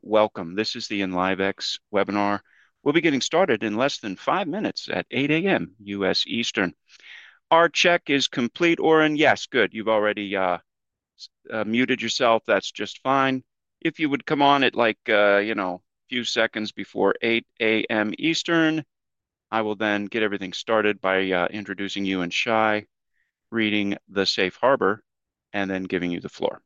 Welcome. This is the Enlivex webinar. We'll be getting started in less than five minutes at 8:00 A.M. U.S. Eastern. Our check is complete, Oren. Yes, good. You've already muted yourself. That's just fine. If you would come on at, like, a few seconds before 8:00 A.M. Eastern, I will then get everything started by introducing you and Shai, reading the safe harbor, and then giving you the floor.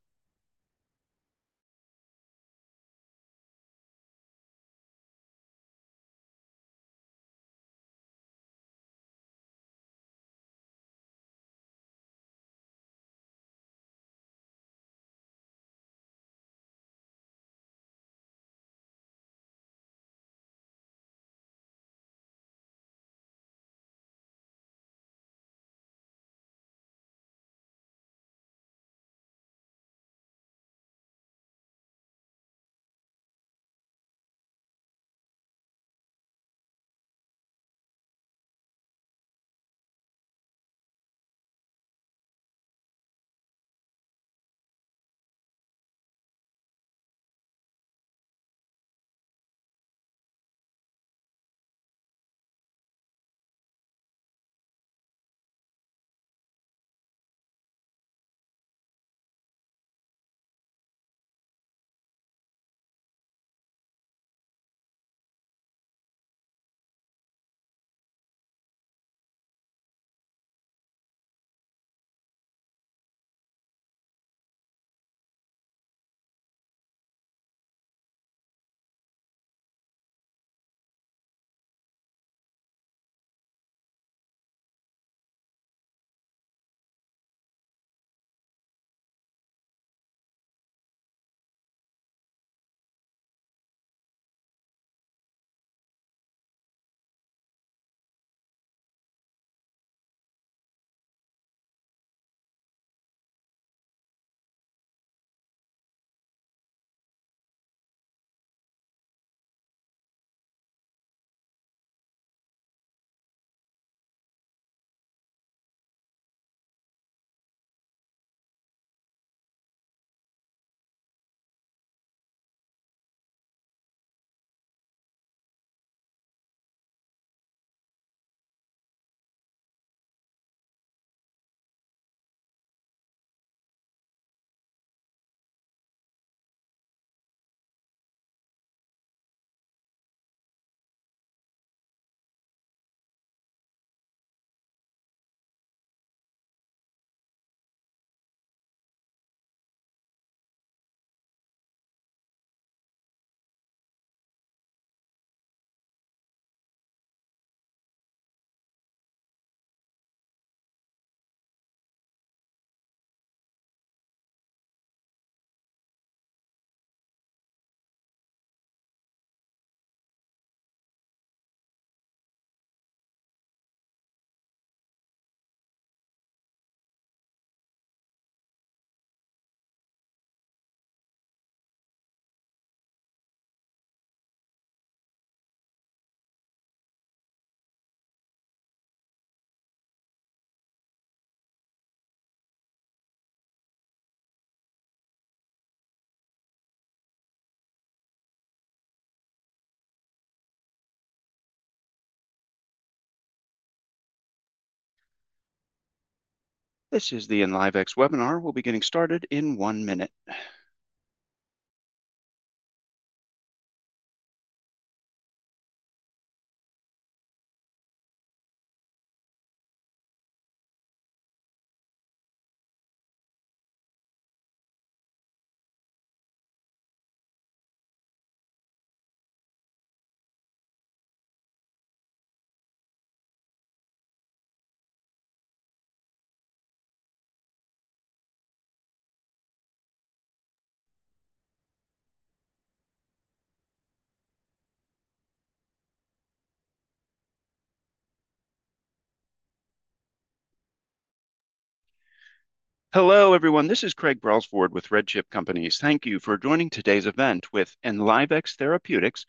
Hello, everyone. This is Craig Brelsford with RedChip Companies. Thank you for joining today's event with Enlivex Therapeutics,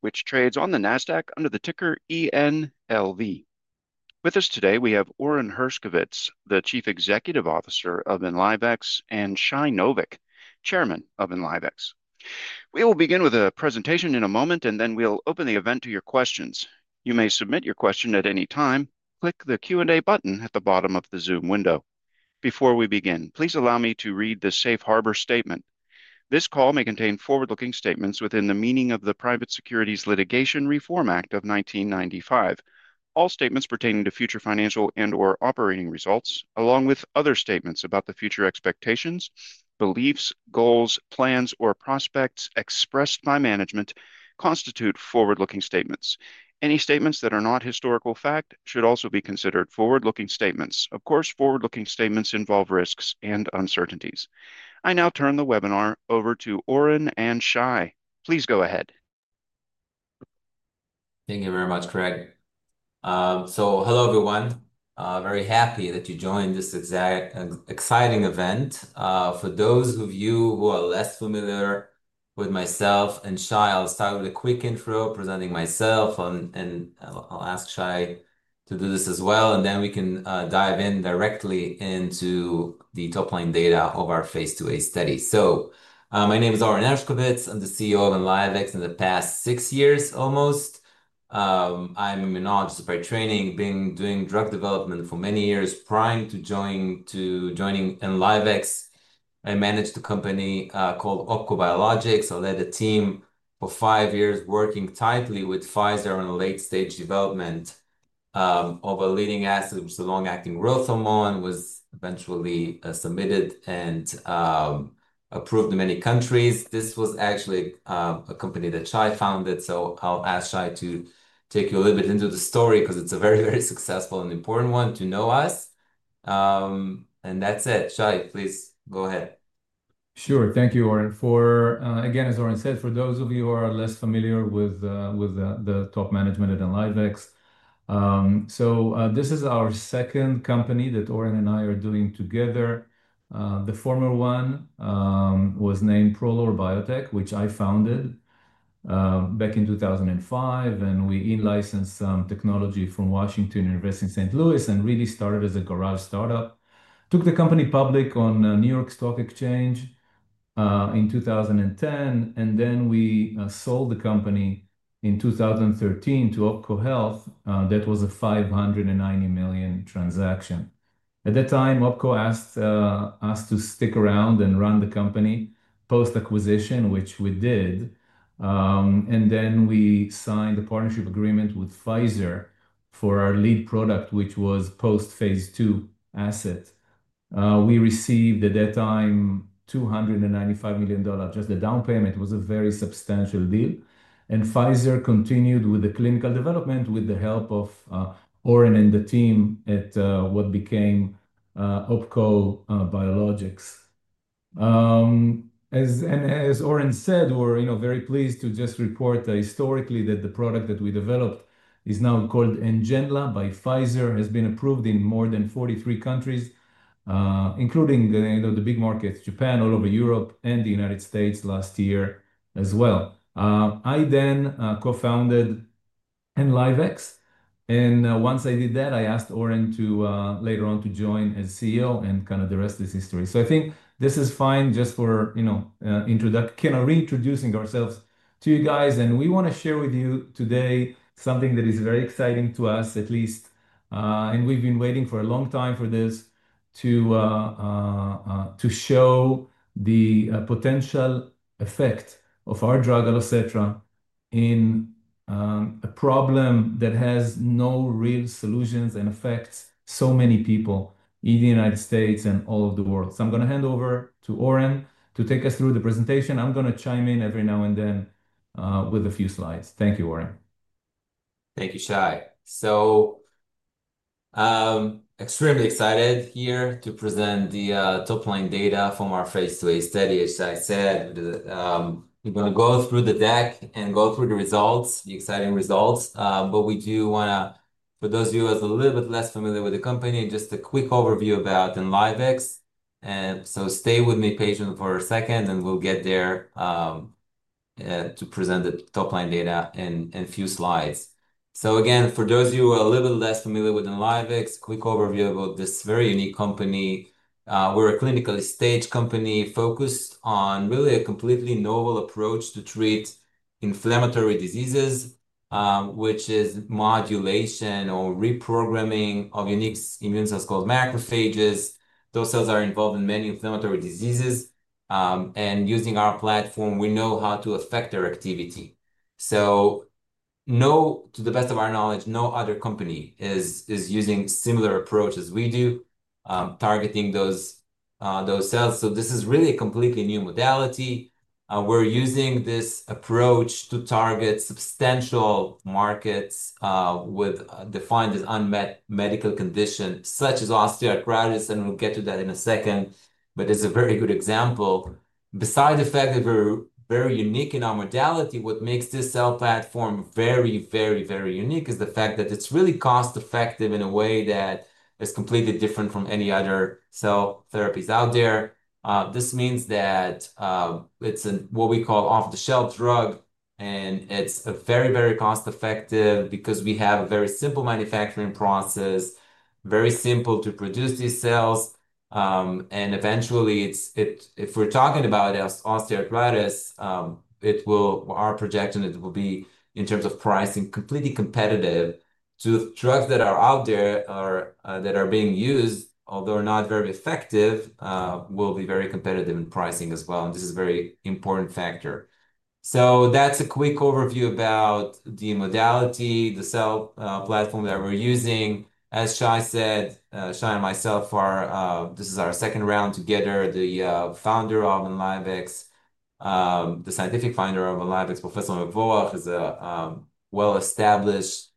which trades on the NASDAQ under the ticker ENLV. With us today, we have Oren Hershkovitz, the Chief Executive Officer of Enlivex, and Shai Novik, Chairman of Enlivex. We will begin with a presentation in a moment, and then we'll open the event to your questions. You may submit your question at any time. Click the Q&A button at the bottom of the Zoom window. Before we begin, please allow me to read the safe harbor statement. This call may contain forward-looking statements within the meaning of the Private Securities Litigation Reform Act of 1995. All statements pertaining to future financial and/or operating results, along with other statements about the future expectations, beliefs, goals, plans, or prospects expressed by management constitute forward-looking statements. Any statements that are not historical fact should also be considered forward-looking statements. Of course, forward-looking statements involve risks and uncertainties. I now turn the webinar over to Oren and Shai. Please go ahead. Thank you very much, Craig. Hello, everyone. Very happy that you joined this exciting event. For those of you who are less familiar with myself and Shai, I'll start with a quick intro, presenting myself, and I'll ask Shai to do this as well. We can dive in directly into the top-line data of our face-to-face study. My name is Oren Hershkovitz. I'm the CEO of Enlivex in the past six years almost. I'm, obviously, by training, been doing drug development for many years, prior to joining Enlivex. I managed a company called OPKO Biologics. I led a team for five years working tightly with Pfizer on late-stage development of a leading asset, which is a long-acting [growth hormone]. It was eventually submitted and approved in many countries. This was actually a company that Shai founded. I'll ask Shai to take you a little bit into the story because it's a very, very successful and important one to know us. That's it. Shai, please go ahead. Sure. Thank you, Oren. Again, as Oren said, for those of you who are less familiar with the top management at Enlivex, this is our second company that Oren and I are doing together. The former one was named Prolor Biotech, which I founded back in 2005. We e-licensed some technology from Washington University in St. Louis and really started as a garage startup. We took the company public on the New York Stock Exchange in 2010. We sold the company in 2013 to OPKO Health. That was a $590 million transaction. At that time, OPKO asked us to stick around and run the company post-acquisition, which we did. We signed a partnership agreement with Pfizer for our lead product, which was a post-phase II asset. We received, at that time, $295 million. Just the down payment was a very substantial deal. Pfizer continued with the clinical development with the help of Oren and the team at what became OPKO Biologics. As Oren said, we're very pleased to just report historically that the product that we developed is now called NGENLA by Pfizer, has been approved in more than 43 countries, including the big markets, Japan, all over Europe, and the United States last year as well. I then co-founded Enlivex. Once I did that, I asked Oren later on to join as CEO and kind of the rest is history. I think this is fine just for, you know, kind of reintroducing ourselves to you guys. We want to share with you today something that is very exciting to us, at least. We've been waiting for a long time for this to show the potential effect of our drug, Allocetra, in a problem that has no real solutions and affects so many people in the United States and all over the world. I'm going to hand over to Oren to take us through the presentation. I'm going to chime in every now and then with a few slides. Thank you, Oren. Thank you, Shai. Extremely excited here to present the top-line data from our face-to-face study, as I said. We're going to go through the deck and go through the results, the exciting results. For those of you who are a little bit less familiar with the company, just a quick overview about Enlivex. Stay with me patiently for a second, and we'll get there to present the top-line data in a few slides. Again, for those of you who are a little bit less familiar with Enlivex, a quick overview about this very unique company. We're a clinical-stage company focused on really a completely novel approach to treat inflammatory diseases, which is modulation or reprogramming of unique immune cells called macrophages. Those cells are involved in many inflammatory diseases. Using our platform, we know how to affect their activity. To the best of our knowledge, no other company is using a similar approach as we do, targeting those cells. This is really a completely new modality. We're using this approach to target substantial markets with defined unmet medical conditions, such as osteoarthritis. We'll get to that in a second. It's a very good example. Besides the fact that we're very unique in our modality, what makes this cell platform very, very, very unique is the fact that it's really cost-effective in a way that is completely different from any other cell therapies out there. This means that it's what we call an off-the-shelf drug. It's very, very cost-effective because we have a very simple manufacturing process, very simple to produce these cells. Eventually, if we're talking about osteoarthritis, our projection is it will be, in terms of pricing, completely competitive to drugs that are out there that are being used, although not very effective, will be very competitive in pricing as well. This is a very important factor. That's a quick overview about the modality, the cell platform that we're using. As Shai said, Shai and myself, this is our second round together. The founder of Enlivex, the scientific founder of Enlivex, Professor [Dror Mevorach], who's a well-established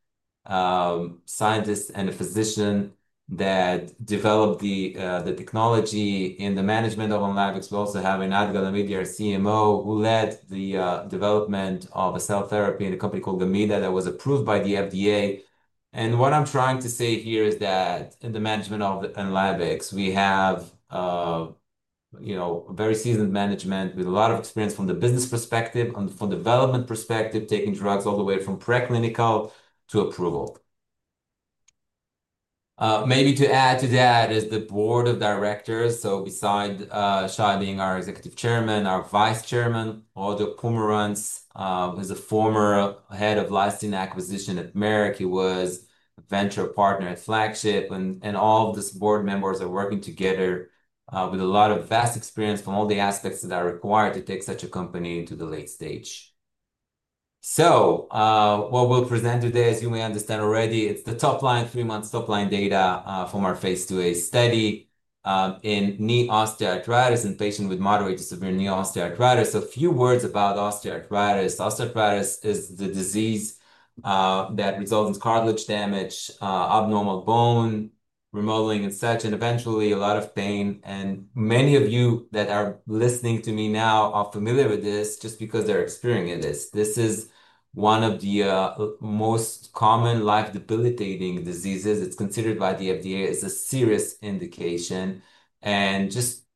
scientist and a physician that developed the technology in the management of Enlivex. We also have Einat Galamidi, our CMO, who led the development of a cell therapy in a company called Gamida that was approved by the FDA. What I'm trying to say here is that in the management of Enlivex, we have a very seasoned management with a lot of experience from the business perspective and from the development perspective, taking drugs all the way from preclinical to approval. Maybe to add to that is the board of directors. Besides Shai being our Executive Chairman, our Vice Chairman, Roger Pomerantz, who's a former head of licensing acquisition at Merck, was a venture partner at Flagship. All of these board members are working together with a lot of vast experience from all the aspects that are required to take such a company into the late stage. What we'll present today, as you may understand already, is the top-line, three months top-line data from our face-to-face study in knee osteoarthritis in patients with moderate to severe knee osteoarthritis. A few words about osteoarthritis. Osteoarthritis is the disease that results in cartilage damage, abnormal bone remodeling, and such, and eventually a lot of pain. Many of you that are listening to me now are familiar with this just because they're experiencing this. This is one of the most common life-debilitating diseases. It's considered by the FDA as a serious indication.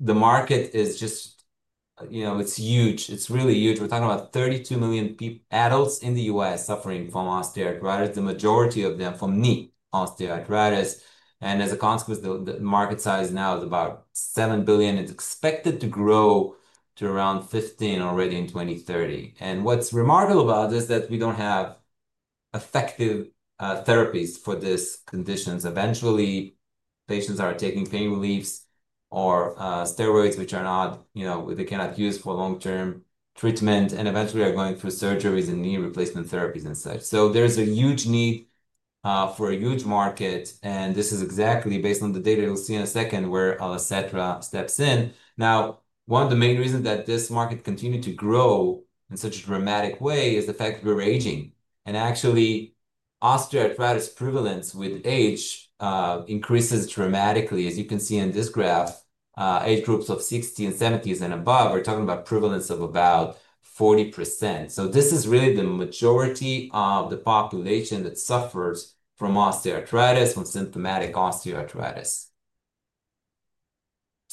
The market is just, you know, it's huge. It's really huge. We're talking about 32 million adults in the U.S. suffering from osteoarthritis, the majority of them from knee osteoarthritis. As a consequence, the market size now is about $7 billion. It's expected to grow to around $15 billion already in 2030. What's remarkable about this is that we don't have effective therapies for these conditions. Eventually, patients are taking pain reliefs or steroids, which are not, you know, they cannot use for long-term treatment, and eventually are going through surgeries and knee replacement therapies and such. There's a huge need for a huge market. This is exactly based on the data you'll see in a second where Allocetra steps in. One of the main reasons that this market continued to grow in such a dramatic way is the fact that we're aging. Actually, osteoarthritis prevalence with age increases dramatically. As you can see in this graph, age groups of 60 and 70s and above, we're talking about a prevalence of about 40%. This is really the majority of the population that suffers from osteoarthritis, from symptomatic osteoarthritis.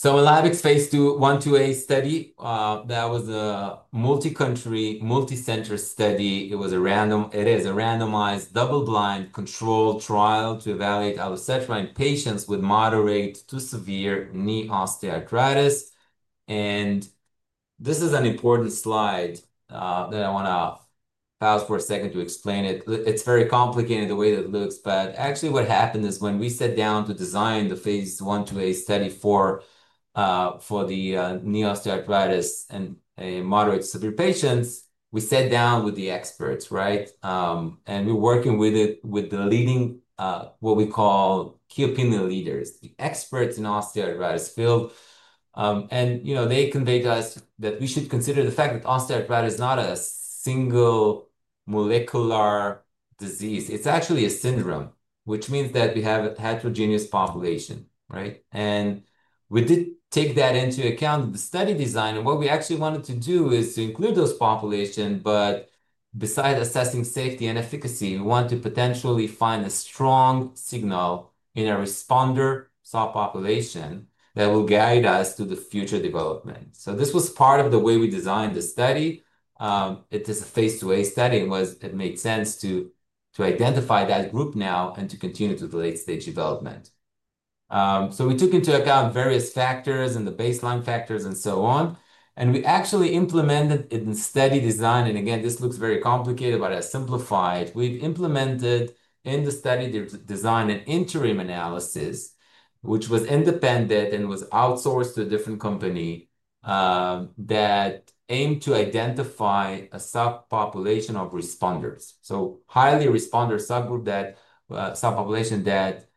Enlivex phase `II, I-VIII study, that was a multi-country, multi-center study. It was a randomized, double-blind, controlled trial to evaluate Allocetra in patients with moderate to severe knee osteoarthritis. This is an important slide that I want to pause for a second to explain. It's very complicated the way it looks, but actually, what happened is when we sat down to design the phase I-VIII study for the knee osteoarthritis in moderate to severe patients, we sat down with the experts, right? We're working with the leading, what we call key opinion leaders, experts in osteoarthritis. They conveyed to us that we should consider the fact that osteoarthritis is not a single molecular disease. It's actually a syndrome, which means that we have a heterogeneous population, right? We did take that into account in the study design. What we actually wanted to do is to include those populations. Besides assessing safety and efficacy, we wanted to potentially find a strong signal in our responder subpopulation that will guide us to the future development. This was part of the way we designed the study. It is a face-to-face study. It made sense to identify that group now and to continue to the late-stage development. We took into account various factors and the baseline factors and so on. We actually implemented it in study design. Again, this looks very complicated, but I'll simplify it. We've implemented in the study design an interim analysis, which was independent and was outsourced to a different company that aimed to identify a subpopulation of responders. A highly responder subgroup, that subpopulation that,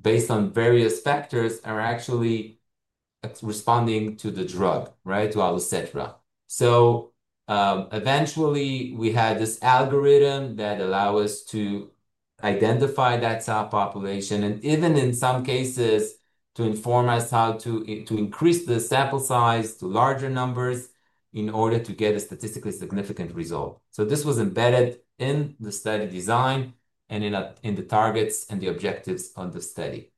based on various factors, are actually responding to the drug, right, to Allocetra. Eventually, we had this algorithm that allowed us to identify that subpopulation and even, in some cases, to inform us how to increase the sample size to larger numbers in order to get a statistically significant result. This was embedded in the study design and in the targets and the objectives of the study.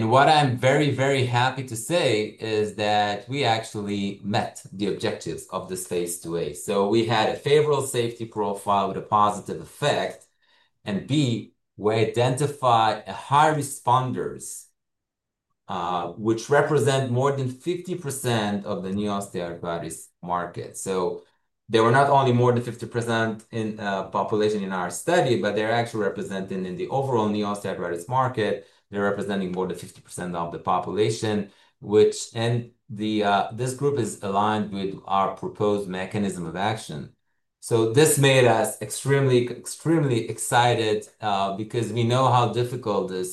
What I'm very, very happy to say is that we actually met the objectives of this phase II-A. We had a favorable safety profile with a positive effect. We identified high responders, which represent more than 50% of the knee osteoarthritis market. They were not only more than 50% in the population in our study, but they're actually representing in the overall knee osteoarthritis market. They're representing more than 50% of the population, which in this group is aligned with our proposed mechanism of action. This made us extremely, extremely excited because we know how difficult this,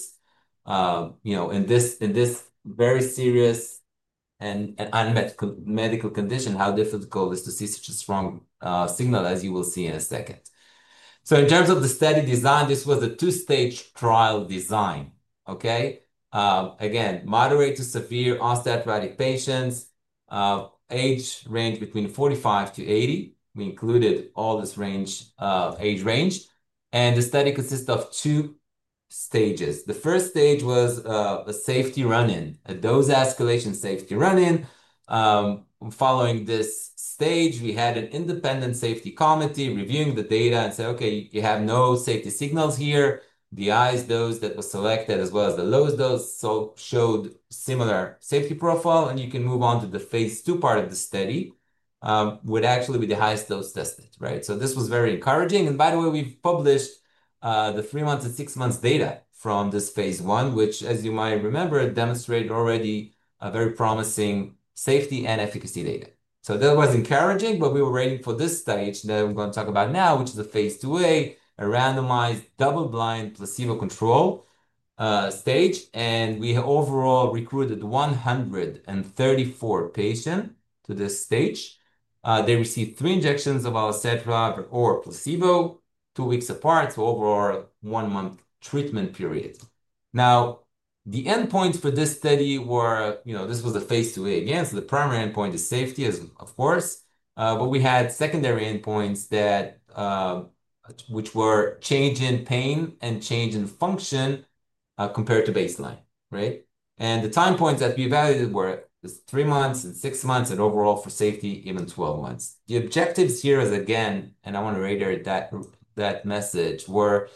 you know, in this very serious and unmet medical condition, how difficult it is to see such a strong signal, as you will see in a second. In terms of the study design, this was a two-stage trial design, OK? Again, moderate to severe osteoarthritis patients, age range between 45-80. We included all this range, age range. The study consists of two stages. The first stage was a safety run-in, a dose escalation safety run-in. Following this stage, we had an independent safety committee reviewing the data and saying, OK, you have no safety signals here. The highest dose that was selected, as well as the lowest dose, showed a similar safety profile. You can move on to the phase II part of the study, which would actually be the highest dose tested, right? This was very encouraging. By the way, we've published the three-month and six-month data from this phase I, which, as you might remember, demonstrated already very promising safety and efficacy data. That was encouraging, but we were waiting for this stage that I'm going to talk about now, which is a phase II-A, a randomized, double-blind, placebo-controlled stage. We overall recruited 134 patients to this stage. They received three injections of Allocetra or placebo two weeks apart, so over our one-month treatment period. The endpoints for this study were, you know, this was the phase II-A again. The primary endpoint is safety, of course. We had secondary endpoints that were change in pain and change in function compared to baseline, right? The time points that we evaluated were three months and six months, and overall for safety, even 12 months. The objectives here are, again, and I want to reiterate that message, were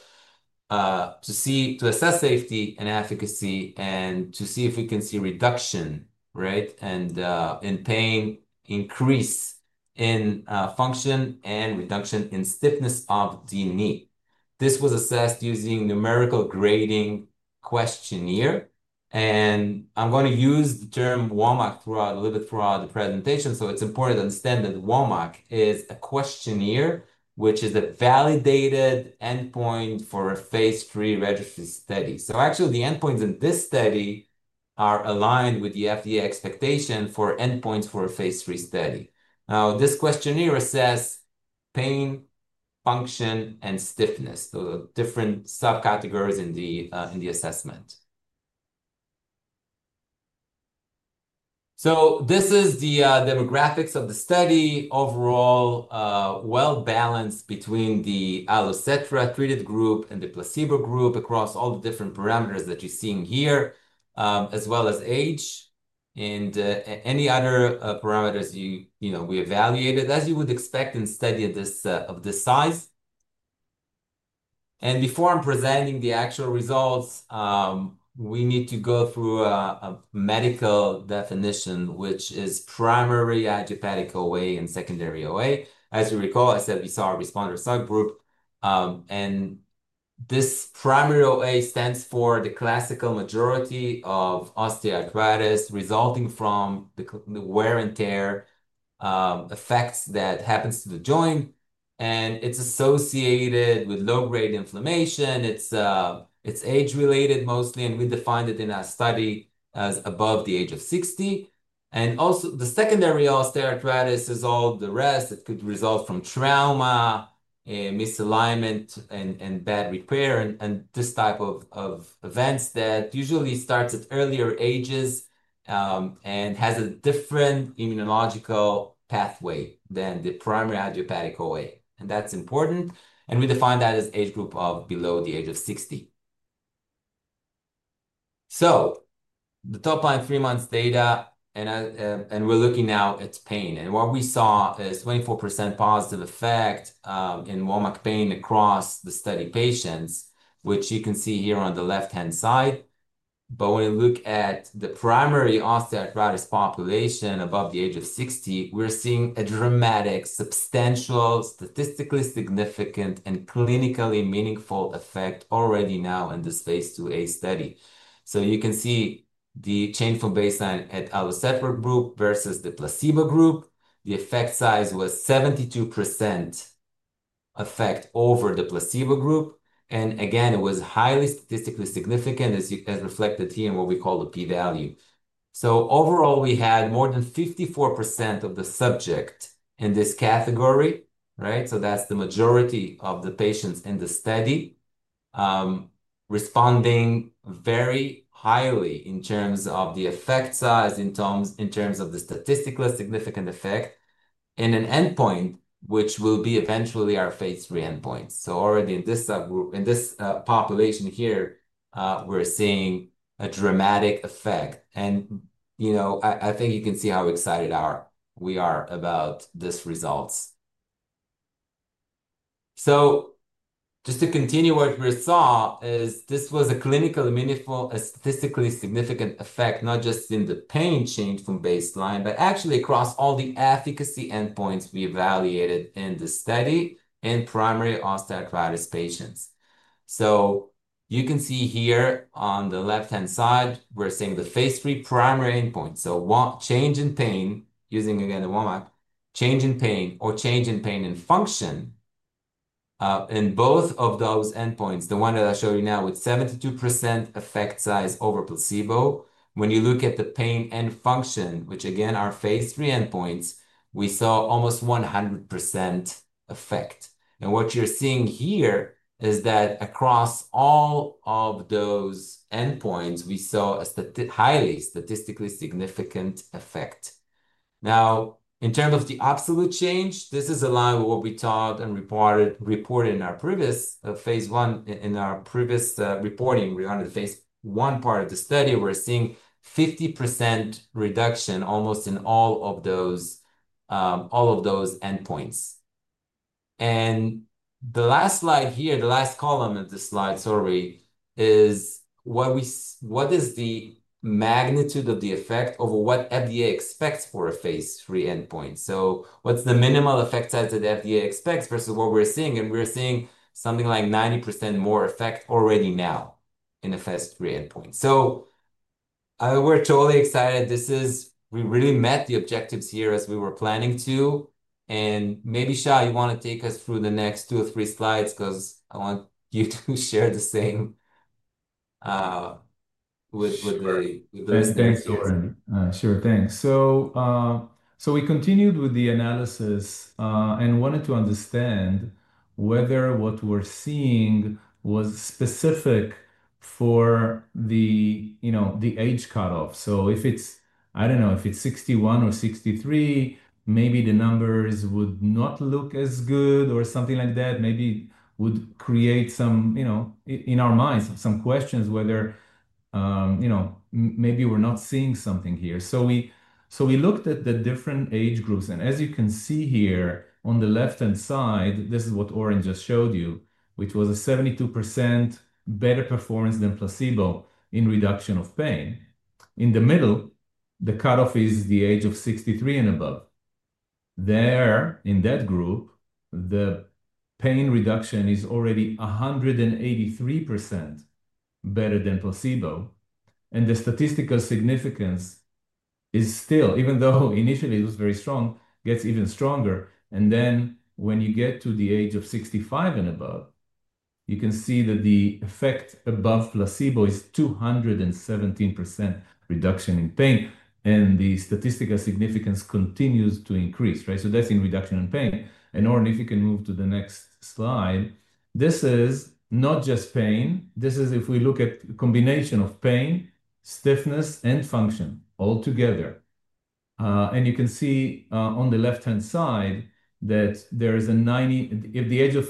to assess safety and efficacy and to see if we can see reduction, right, in pain, increase in function, and reduction in stiffness of the knee. This was assessed using a numerical grading questionnaire. I'm going to use the term WOMAC throughout a little bit throughout the presentation. It's important to understand that WOMAC is a questionnaire, which is a validated endpoint for a phase III registry study. The endpoints in this study are aligned with the FDA expectation for endpoints for a phase III study. Now, this questionnaire assesses pain, function, and stiffness, the different subcategories in the assessment. This is the demographics of the study, overall well-balanced between the Allocetra treated group and the placebo group across all the different parameters that you're seeing here, as well as age and any other parameters we evaluated, as you would expect in a study of this size. Before I'm presenting the actual results, we need to go through a medical definition, which is primary idiopathic OA and secondary OA. As you recall, I said we saw a responder subgroup. This primary OA stands for the classical majority of osteoarthritis resulting from the wear and tear effects that happen to the joint. It's associated with low-grade inflammation. It's age-related mostly. We defined it in our study as above the age of 60. Also, the secondary osteoarthritis is all the rest that could result from trauma, misalignment, and bad repair and this type of events that usually start at earlier ages and has a different immunological pathway than the primary idiopathic OA. That's important. We define that as an age group of below the age of 60. The top-line three months data, and we're looking now at pain. What we saw is a 24% positive effect in WOMAC pain across the study patients, which you can see here on the left-hand side. When we look at the primary osteoarthritis population above the age of 60, we're seeing a dramatic, substantial, statistically significant and clinically meaningful effect already now in this phase II-A study. You can see the change from baseline at Allocetra group versus the placebo group. The effect size was a 72% effect over the placebo group. It was highly statistically significant, as reflected here in what we call the p-value. Overall, we had more than 54% of the subject in this category, right? That's the majority of the patients in the study responding very highly in terms of the effect size, in terms of the statistically significant effect, in an endpoint, which will be eventually our phase III endpoint. Already in this population here, we're seeing a dramatic effect. I think you can see how excited we are about these results. Just to continue what we saw, this was a clinically meaningful, statistically significant effect, not just in the pain change from baseline, but actually across all the efficacy endpoints we evaluated in the study in primary osteoarthritis patients. You can see here on the left-hand side, we're seeing the phase III primary endpoint. Change in pain, using again the WOMAC, change in pain or change in pain and function in both of those endpoints, the one that I show you now with 72% effect size over placebo. When you look at the pain and function, which again are phase III endpoints, we saw almost 100% effect. What you're seeing here is that across all of those endpoints, we saw a highly statistically significant effect. In terms of the absolute change, this is aligned with what we taught and reported in our previous phase I in our previous reporting on the phase I part of the study. We're seeing a 50% reduction almost in all of those endpoints. The last slide here, the last column of the slide, sorry, is what is the magnitude of the effect over what FDA expects for a phase III endpoint. What's the minimal effect size that FDA expects versus what we're seeing? We're seeing something like 90% more effect already now in a phase III endpoint. We're totally excited. We really met the objectives here as we were planning to. Maybe, Shai, you want to take us through the next two or three slides because I want you to share the same with the rest of the group. Sure, thanks. We continued with the analysis and wanted to understand whether what we're seeing was specific for the age cutoff. If it's, I don't know, if it's 61 or 63, maybe the numbers would not look as good or something like that. Maybe it would create some, you know, in our minds, some questions whether, you know, maybe we're not seeing something here. We looked at the different age groups. As you can see here on the left-hand side, this is what Oren just showed you, which was a 72% better performance than placebo in reduction of pain. In the middle, the cutoff is the age of 63 and above. There in that group, the pain reduction is already 183% better than placebo. The statistical significance is still, even though initially it was very strong, gets even stronger. When you get to the age of 65 and above, you can see that the effect above placebo is 217% reduction in pain. The statistical significance continues to increase, right? That's in reduction in pain. Oren, if you can move to the next slide, this is not just pain. This is if we look at a combination of pain, stiffness, and function altogether. You can see on the left-hand side that there is a 90, if the age of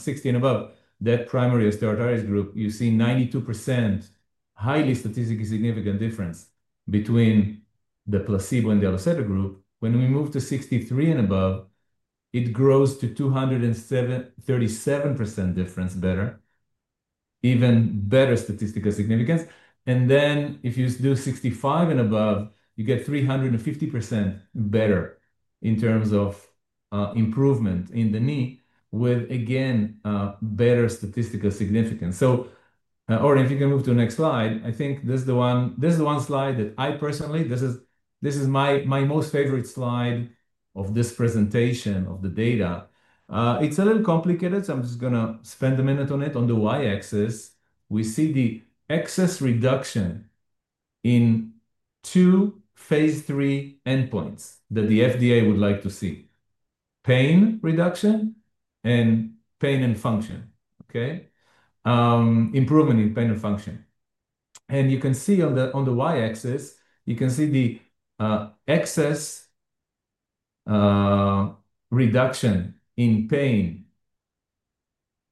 60 and above, that primary osteoarthritis group, you see 92% highly statistically significant difference between the placebo and the Allocetra group. When we move to 63 and above, it grows to 237% difference better, even better statistical significance. If you do 65 and above, you get 350% better in terms of improvement in the knee with, again, better statistical significance. Oren, if you can move to the next slide, I think this is the one slide that I personally, this is my most favorite slide of this presentation of the data. It's a little complicated, so I'm just going to spend a minute on it. On the y-axis, we see the excess reduction in two FDA phase III endpoints that the FDA would like to see: pain reduction and pain and function, OK? Improvement in pain and function. You can see on the y-axis, you can see the excess reduction in pain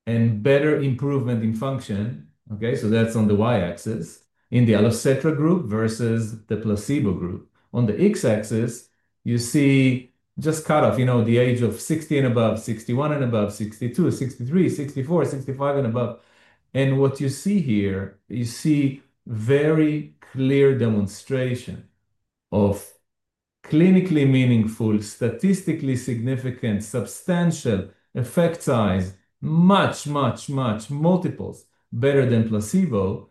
and better improvement in function, OK? That's on the y-axis in the Allocetra group versus the placebo group. On the x-axis, you see just cut off, you know, the age of 60 and above, 61 and above, 62, 63, 64, 65 and above. What you see here, you see a very clear demonstration of clinically meaningful, statistically significant, substantial effect size, much, much, much multiples better than placebo.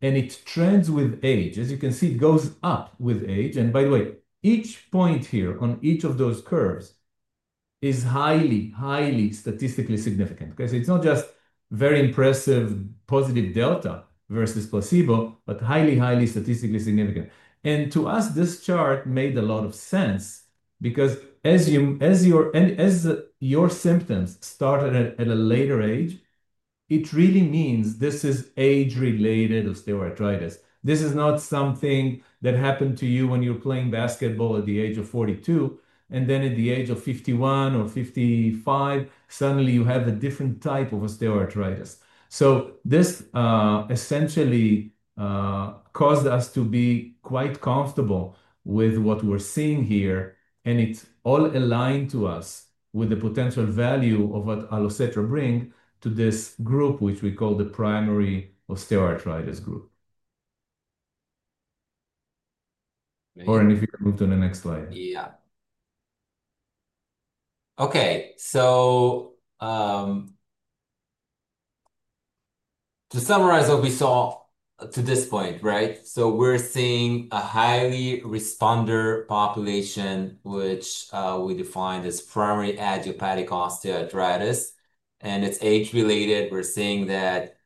It trends with age. As you can see, it goes up with age. By the way, each point here on each of those curves is highly, highly statistically significant, OK? It is not just very impressive positive delta versus placebo, but highly, highly statistically significant. To us, this chart made a lot of sense because as your symptoms started at a later age, it really means this is age-related osteoarthritis. This is not something that happened to you when you're playing basketball at the age of 42. At the age of 51 or 55, suddenly you have a different type of osteoarthritis. This essentially caused us to be quite comfortable with what we're seeing here. It is all aligned to us with the potential value of what Allocetra brings to this group, which we call the primary osteoarthritis group. Oren, if you can move to the next slide. Yeah. OK, to summarize what we saw to this point, right? We're seeing a highly responder population, which we defined as primary idiopathic osteoarthritis. It's age-related. We're seeing that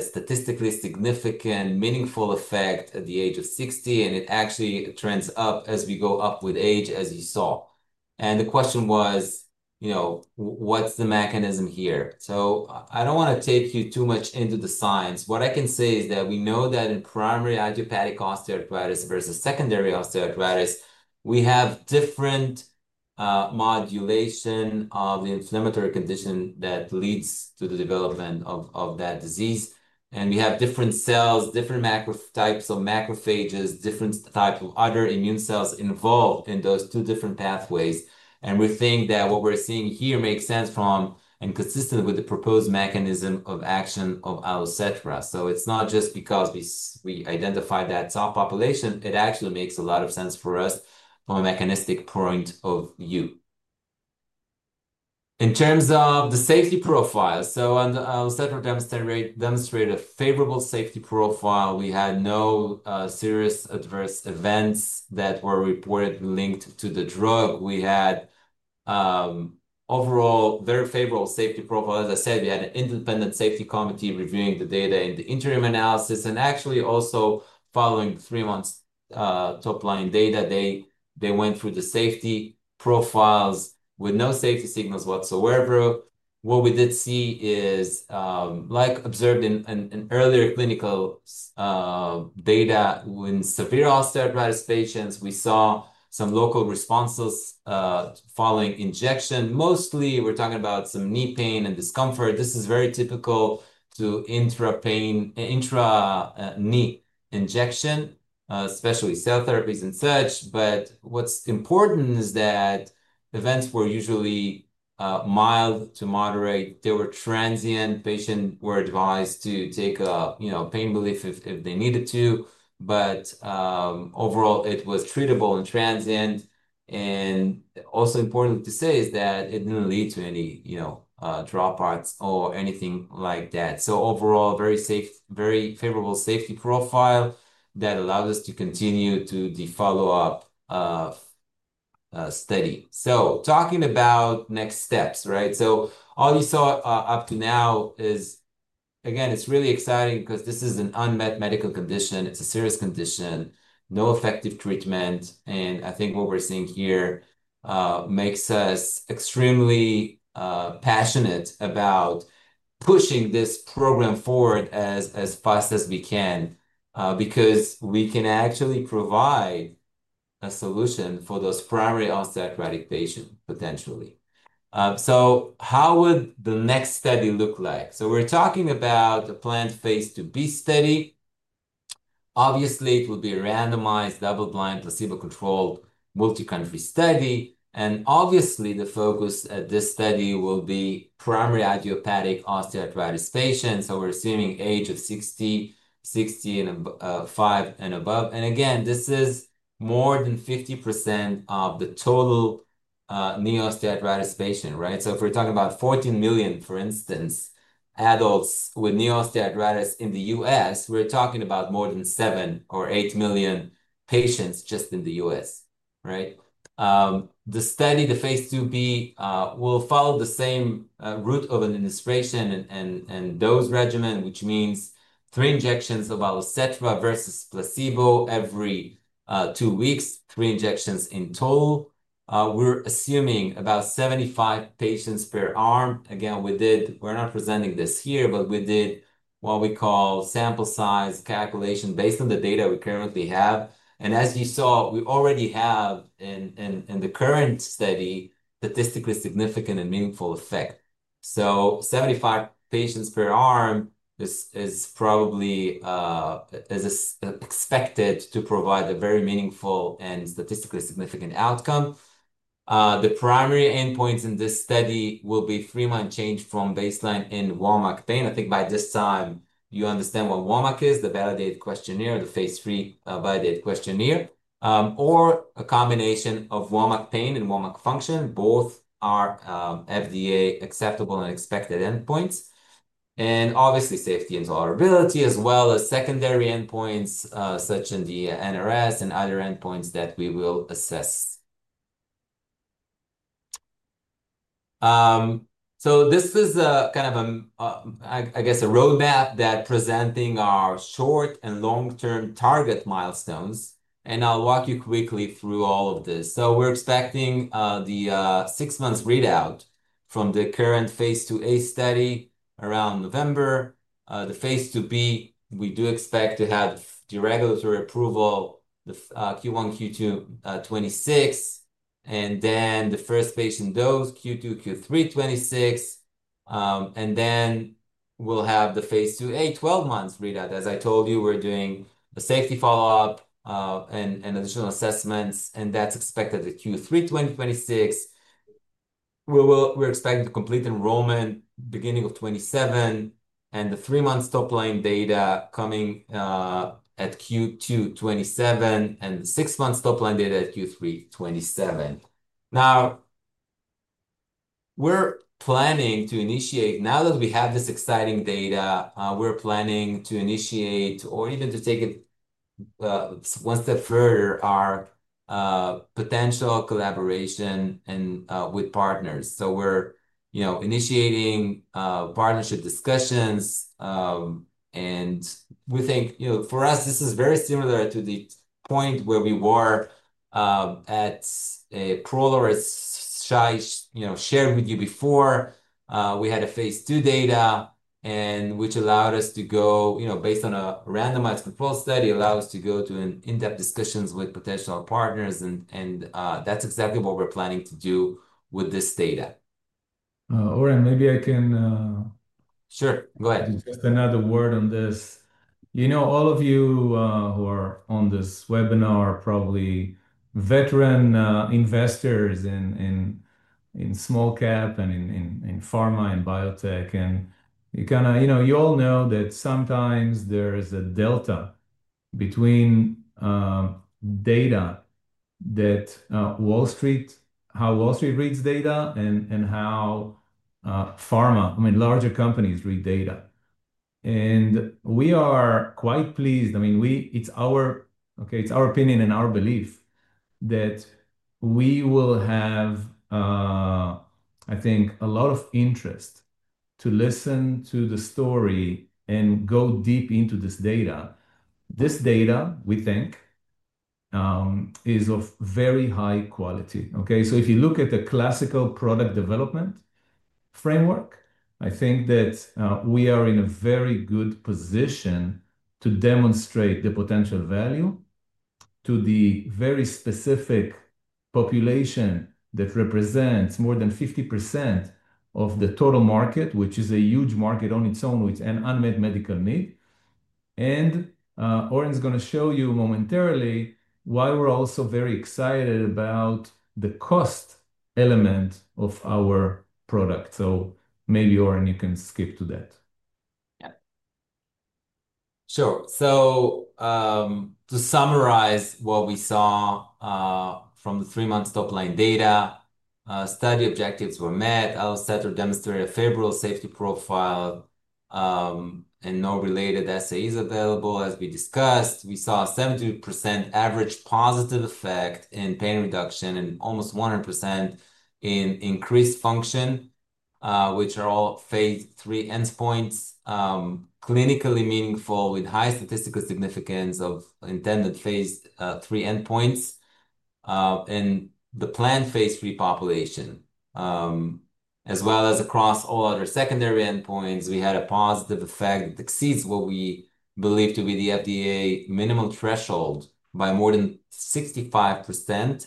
statistically significant, meaningful effect at the age of 60, and it actually trends up as we go up with age, as you saw. The question was, you know, what's the mechanism here? I don't want to take you too much into the science. What I can say is that we know that in primary idiopathic osteoarthritis versus secondary osteoarthritis, we have different modulation of the inflammatory condition that leads to the development of that disease. We have different cells, different types of macrophages, different types of other immune cells involved in those two different pathways. We think that what we're seeing here makes sense from and is consistent with the proposed mechanism of action of Allocetra. It's not just because we identified that subpopulation. It actually makes a lot of sense for us from a mechanistic point of view. In terms of the safety profile, Allocetra demonstrated a favorable safety profile. We had no serious adverse events that were reported linked to the drug. We had overall very favorable safety profile. As I said, we had an independent safety committee reviewing the data in the interim analysis. Actually, also following three months top-line data, they went through the safety profiles with no safety signals whatsoever. What we did see is, like observed in earlier clinical data in severe osteoarthritis patients, we saw some local responses following injection. Mostly, we're talking about some knee pain and discomfort. This is very typical to intra-knee injection, especially cell therapies and such. What's important is that events were usually mild to moderate. They were transient. Patients were advised to take a pain relief if they needed to. Overall, it was treatable and transient. Also important to say is that it didn't lead to any dropouts or anything like that. Overall, very favorable safety profile that allowed us to continue to the follow-up study. Talking about next steps, right? All you saw up to now is, again, it's really exciting because this is an unmet medical condition. It's a serious condition, no effective treatment. I think what we're seeing here makes us extremely passionate about pushing this program forward as fast as we can because we can actually provide a solution for those primary osteoarthritic patients potentially. How would the next study look like? We're talking about the planned phase II-B study. It will be a randomized, double-blind, placebo-controlled, multi-country study. The focus at this study will be primary idiopathic osteoarthritis patients. We're assuming age of 60, 65, and above. This is more than 50% of the total knee osteoarthritis patient, right? If we're talking about 14 million, for instance, adults with knee osteoarthritis in the U.S., we're talking about more than 7 or 8 million patients just in the U.S., right? The study, the phase II-B, will follow the same route of administration and dose regimen, which means three injections of Allocetra versus placebo every two weeks, three injections in total. We're assuming about 75 patients per arm. We did, we're not presenting this here, but we did what we call sample size calculation based on the data we currently have. As you saw, we already have in the current study statistically significant and meaningful effect. 75 patients per arm is probably, as expected, to provide a very meaningful and statistically significant outcome. The primary endpoints in this study will be three months change from baseline in WOMAC pain. I think by this time, you understand what WOMAC is, the validated questionnaire, the phase III validated questionnaire, or a combination of WOMAC pain and WOMAC function. Both are FDA acceptable and expected endpoints. Safety and tolerability, as well as secondary endpoints such as the NRS and other endpoints that we will assess. This is kind of, I guess, a roadmap that's presenting our short and long-term target milestones. I'll walk you quickly through all of this. We're expecting the six-month readout from the current phase II-A study around November. The phase II-B, we do expect to have the regulatory approval the Q1, Q2 2026. The first patient dose Q2, Q3 2026. We'll have the phase II-A 12-month readout. As I told you, we're doing a safety follow-up and additional assessments. That's expected the Q3 2026. We're expecting to complete enrollment beginning of 2027. The three-month top-line data coming at Q2 2027. The six-month top-line data at Q3 2027. Now, we're planning to initiate, now that we have this exciting data, we're planning to initiate or even to take it one step further, our potential collaboration with partners. We're initiating partnership discussions. We think, you know, for us, this is very similar to the point where we were at Prolor as Shai shared with you before. We had a phase II data, which allowed us to go, you know, based on a randomized control study, allowed us to go to in-depth discussions with potential partners. That's exactly what we're planning to do with this data. Oren, maybe I can. Sure, go ahead. Just another word on this. All of you who are on this webinar are probably veteran investors in small cap and in pharma and biotech. You all know that sometimes there is a delta between data that Wall Street, how Wall Street reads data and how pharma, I mean, larger companies read data. We are quite pleased. It's our opinion and our belief that we will have, I think, a lot of interest to listen to the story and go deep into this data. This data, we think, is of very high quality. If you look at the classical product development framework, I think that we are in a very good position to demonstrate the potential value to the very specific population that represents more than 50% of the total market, which is a huge market on its own, which is an unmet medical need. Oren is going to show you momentarily why we're also very excited about the cost element of our product. Maybe, Oren, you can skip to that. Sure. To summarize what we saw from the three-month top-line data, study objectives were met. Allocetra demonstrated a favorable safety profile. No related assay is available, as we discussed. We saw a 72% average positive effect in pain reduction and almost 100% in increased function, which are all phase III endpoints, clinically meaningful with high statistical significance of intended phase III endpoints and the planned phase III population. As well as across all other secondary endpoints, we had a positive effect that exceeds what we believe to be the FDA minimum threshold by more than 65%.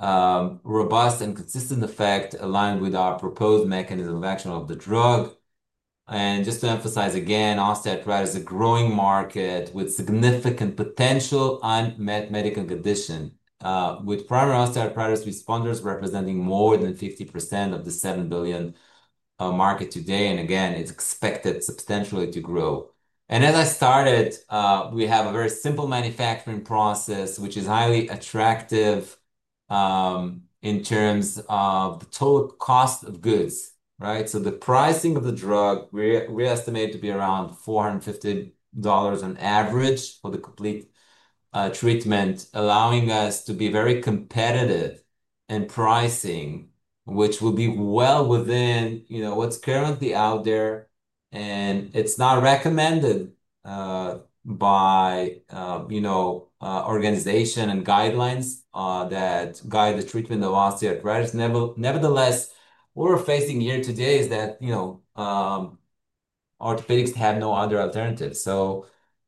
Robust and consistent effect aligned with our proposed mechanism of action of the drug. Osteoarthritis is a growing market with significant potential unmet medical conditions, with primary osteoarthritis responders representing more than 50% of the $7 billion market today. It's expected substantially to grow. We have a very simple manufacturing process, which is highly attractive in terms of the total cost of goods, right? The pricing of the drug, we estimate to be around $450 on average for the complete treatment, allowing us to be very competitive in pricing, which will be well within what's currently out there. It's not recommended by organizations and guidelines that guide the treatment of osteoarthritis. Nevertheless, what we're facing here today is that orthopedics have no other alternative.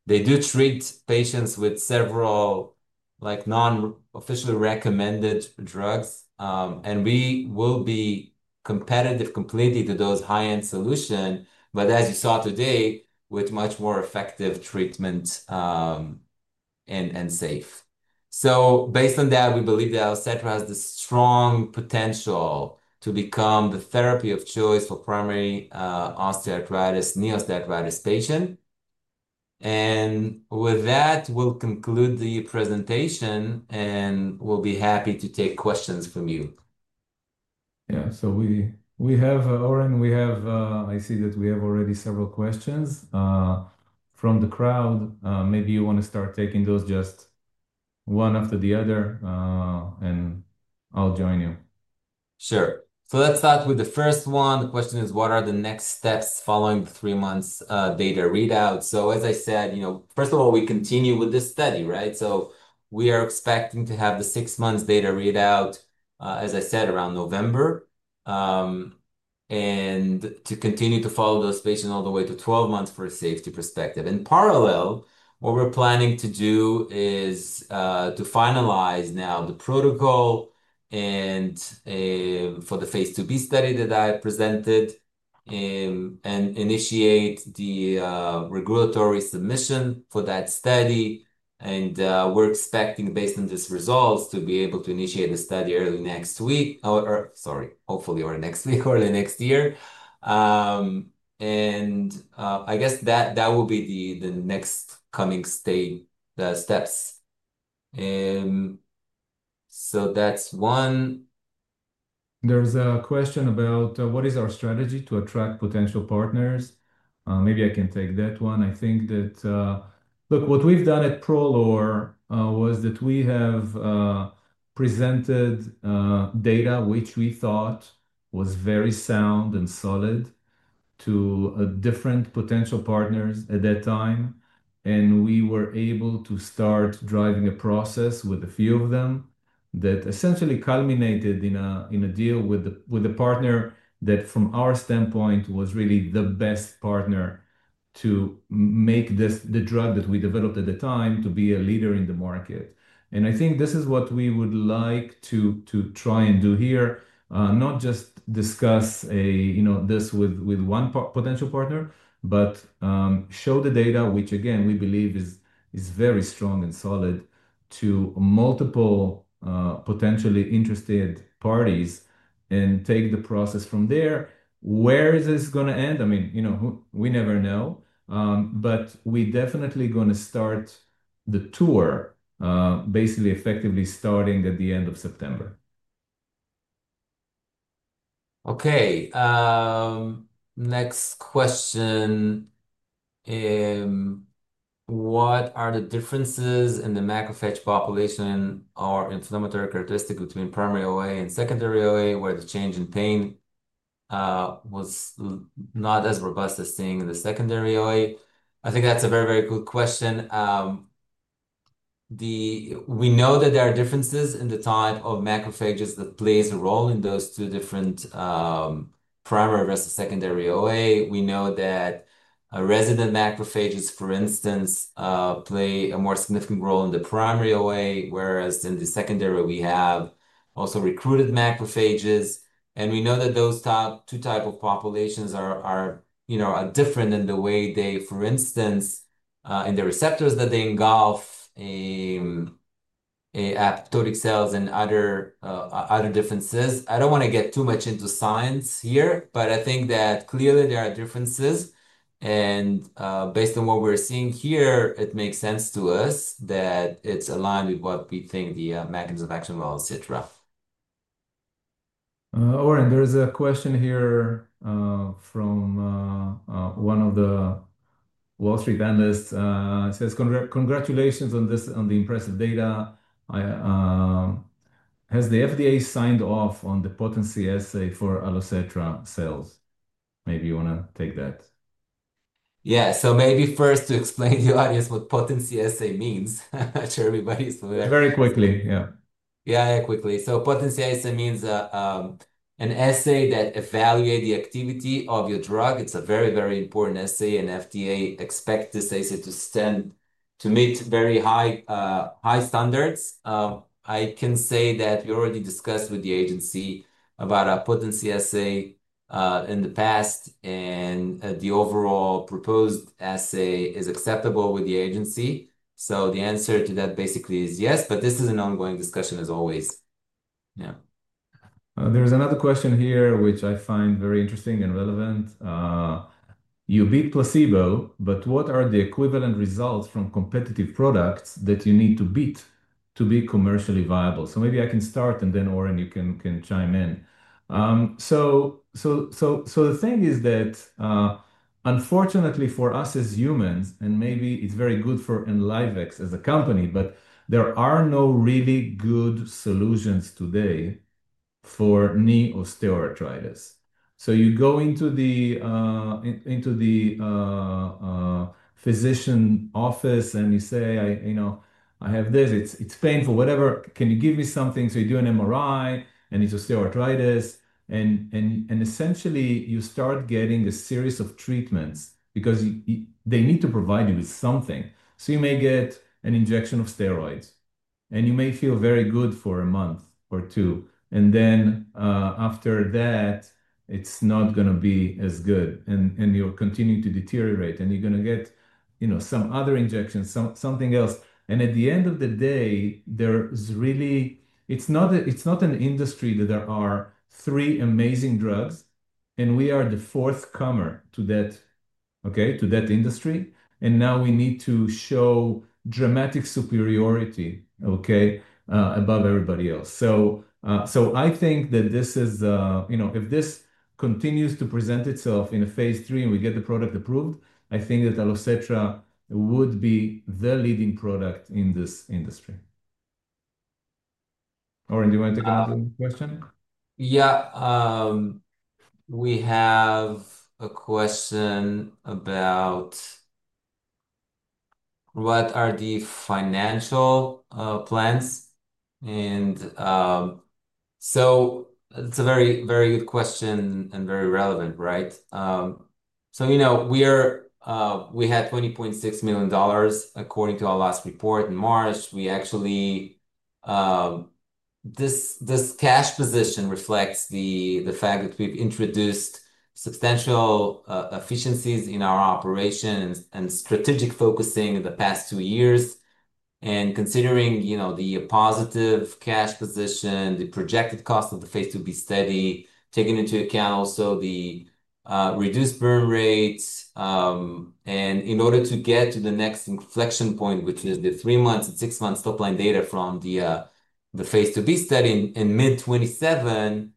They do treat patients with several non-officially recommended drugs. We will be competitive completely to those high-end solutions. As you saw today, with much more effective treatment and safe. Based on that, we believe that Allocetra has the strong potential to become the therapy of choice for primary osteoarthritis, knee osteoarthritis patients. With that, we'll conclude the presentation. We'll be happy to take questions from you. Yeah. Oren, I see that we have already several questions from the crowd. Maybe you want to start taking those just one after the other. I'll join you. Sure. Let's start with the first one. The question is, what are the next steps following the three-month data readout? As I said, first of all, we continue with this study, right? We are expecting to have the six-month data readout, as I said, around November, and to continue to follow those patients all the way to 12 months for a safety perspective. In parallel, what we're planning to do is to finalize now the protocol for the phase II-B study that I presented and initiate the regulatory submission for that study. We're expecting, based on these results, to be able to initiate the study early next week, or hopefully early next year. I guess that will be the next coming steps. That's one. There's a question about what is our strategy to attract potential partners. Maybe I can take that one. I think that, look, what we've done at Prolor was that we have presented data which we thought was very sound and solid to different potential partners at that time. We were able to start driving a process with a few of them that essentially culminated in a deal with a partner that, from our standpoint, was really the best partner to make the drug that we developed at the time to be a leader in the market. I think this is what we would like to try and do here, not just discuss this with one potential partner, but show the data, which again, we believe is very strong and solid to multiple potentially interested parties and take the process from there. Where is this going to end? I mean, you know, we never know. We're definitely going to start the tour, basically, effectively starting at the end of September. OK. Next question. What are the differences in the macrophage population or inflammatory characteristics between primary OA and secondary OA, where the change in pain was not as robust as seen in the secondary OA? I think that's a very, very good question. We know that there are differences in the type of macrophages that play a role in those two different primary versus secondary OA. We know that resident macrophages, for instance, play a more significant role in the primary OA, whereas in the secondary, we have also recruited macrophages. We know that those two types of populations are different in the way they, for instance, in the receptors that they engulf, apoptotic cells, and other differences. I don't want to get too much into science here, but I think that clearly there are differences. Based on what we're seeing here, it makes sense to us that it's aligned with what we think the mechanism of action was, et cetera. Oren, there is a question here from one of the Wall Street analysts. It says, congratulations on the impressive data. Has the FDA signed off on the potency assay for Allocetra cells? Maybe you want to take that. Yeah. Maybe first to explain to the audience what potency assay means. I'm not sure everybody is familiar. Very quickly, yeah. Potency assay means an assay that evaluates the activity of your drug. It's a very, very important assay. The FDA expects this assay to meet very high standards. I can say that we already discussed with the agency about a potency assay in the past. The overall proposed assay is acceptable with the agency. The answer to that basically is yes. This is an ongoing discussion, as always. Yeah. There's another question here, which I find very interesting and relevant. You beat placebo, but what are the equivalent results from competitive products that you need to beat to be commercially viable? Maybe I can start, and then Oren, you can chime in. The thing is that, unfortunately, for us as humans, and maybe it's very good for Enlivex as a company, there are no really good solutions today for knee osteoarthritis. You go into the physician's office and you say, you know, I have this. It's painful, whatever. Can you give me something? You do an MRI, and it's osteoarthritis. Essentially, you start getting a series of treatments because they need to provide you with something. You may get an injection of steroids, and you may feel very good for a month or two. After that, it's not going to be as good, and you'll continue to deteriorate. You're going to get, you know, some other injection, something else. At the end of the day, it's not an industry that there are three amazing drugs, and we are the forthcomer to that, to that industry. Now we need to show dramatic superiority, above everybody else. I think that this is, you know, if this continues to present itself in a phase III and we get the product approved, I think that Allocetra would be the leading product in this industry. Oren, do you want to take another question? Yeah. We have a question about what are the financial plans. It's a very, very good question and very relevant, right? We had $20.6 million according to our last report in March. This cash position reflects the fact that we've introduced substantial efficiencies in our operations and strategic focusing in the past two years. Considering the positive cash position, the projected cost of the phase II-B study, taking into account also the reduced burn rate, in order to get to the next inflection point, which is the three-month and six-month top-line data from the phase II-B study in mid 2027,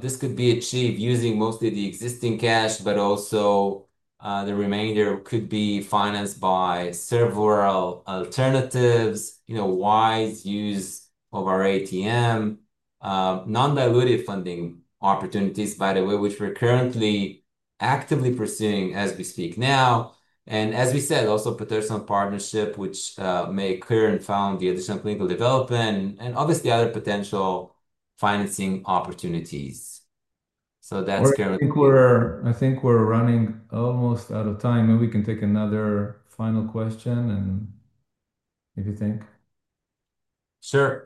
this could be achieved using mostly the existing cash. The remainder could be financed by several alternatives, wise use of our ATM, non-dilutive funding opportunities, by the way, which we're currently actively pursuing as we speak now. As we said, also potential partnership, which may occur and fund the additional clinical development and obviously other potential financing opportunities. That's currently. I think we're running almost out of time. Maybe we can take another final question if you think. Sure.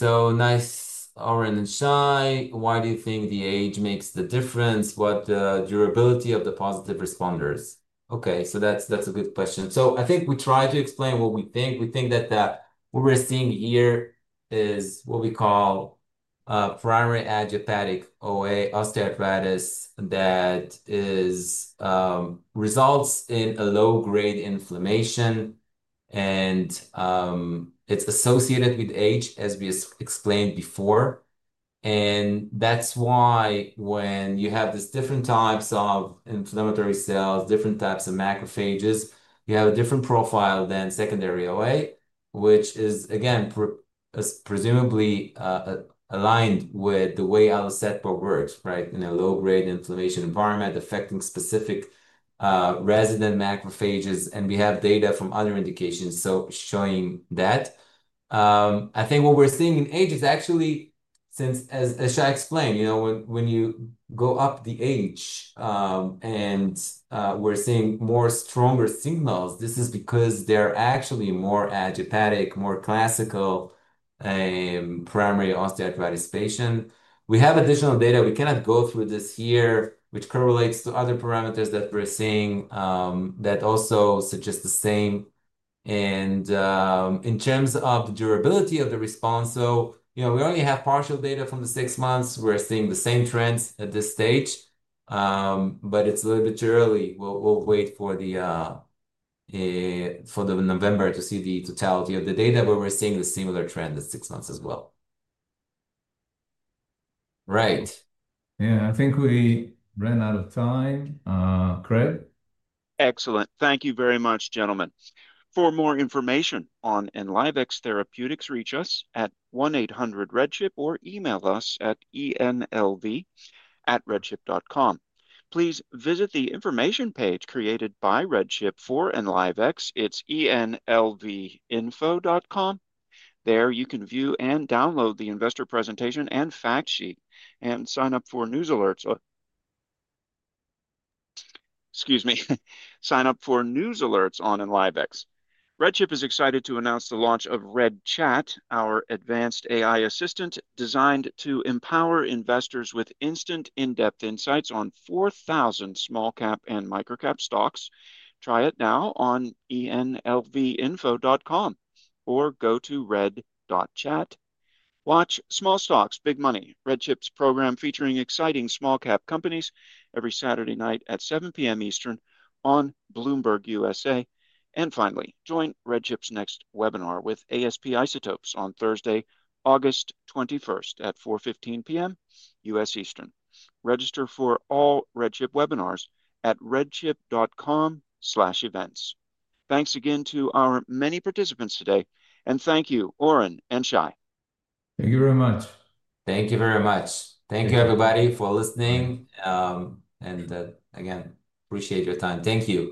Nice, Oren and Shai. Why do you think the age makes the difference? What is the durability of the positive responders? That's a good question. I think we tried to explain what we think. We think that what we're seeing here is what we call primary idiopathic OA, osteoarthritis that results in a low-grade inflammation. It's associated with age, as we explained before. That's why when you have these different types of inflammatory cells, different types of macrophages, you have a different profile than secondary OA, which is, again, presumably aligned with the way Allocetra works, right, in a low-grade inflammation environment affecting specific resident macrophages. We have data from other indications showing that. I think what we're seeing in age is actually, since as Shai explained, when you go up the age and we're seeing more stronger signals, this is because they're actually more idiopathic, more classical primary osteoarthritis patients. We have additional data. We cannot go through this here, which correlates to other parameters that we're seeing that also suggest the same. In terms of the durability of the response, we only have partial data from the six months. We're seeing the same trends at this stage. It's a little bit too early. We'll wait for November to see the totality of the data. We're seeing a similar trend in six months as well. Right. Yeah, I think we ran out of time. Craig? Excellent. Thank you very much, gentlemen. For more information on Enlivex Therapeutics, reach us at 1-800-REDSHIP or email us at enlv@redchip.com. Please visit the information page created by RedChip for Enlivex. It's enlvinfo.com. There you can view and download the investor presentation and fact sheet and sign up for news alerts. Sign up for news alerts on Enlivex. RedChip is excited to announce the launch of RedChat, our advanced AI assistant designed to empower investors with instant in-depth insights on 4,000 small cap and micro cap stocks. Try it now on enlvinfo.com or go to red.chat. Watch "Small Stocks, Big Money," RedChip's program featuring exciting small cap companies every Saturday night at 7:00 P.M. Eastern on Bloomberg USA. Finally, join RedChip's next webinar with ASP Isotopes on Thursday, August 21st, at 4:15 P.M. U.S. Eastern. Register for all RedChip webinars at redchip.com/events. Thanks again to our many participants today. Thank you, Oren and Shai. Thank you very much. Thank you very much. Thank you, everybody, for listening. I appreciate your time. Thank you.